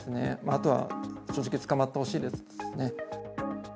あとは正直、捕まってほしいですね。